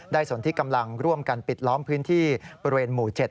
สนที่กำลังร่วมกันปิดล้อมพื้นที่บริเวณหมู่๗